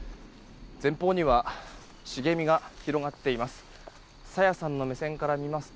前方には茂みが広がっています。